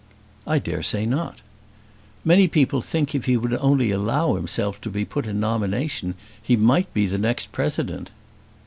"I dare say not." "Many people think that if he would only allow himself to be put in nomination, he might be the next president."